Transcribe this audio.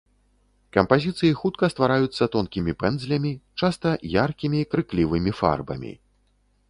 Кампазіцыі хутка ствараюцца тонкімі пэндзлямі, часта яркімі крыклівымі фарбамі.